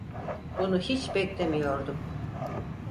Bunu hiç beklemiyordum.